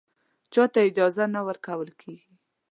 چا ته اجازه نه ورکول کېږي